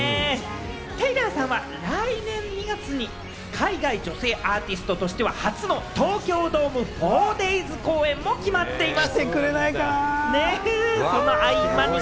テイラーさんは来年２月に海外女性アーティストとしては初の東京ドーム、４デイズ公演も決まっています。